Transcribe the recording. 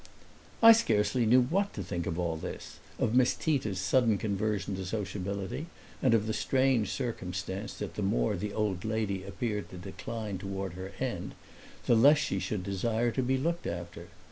I scarcely knew what to think of all this of Miss Tita's sudden conversion to sociability and of the strange circumstance that the more the old lady appeared to decline toward her end the less she should desire to be looked after.